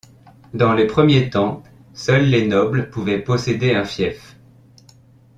Dans les premiers temps, seuls les nobles pouvaient posséder un fief.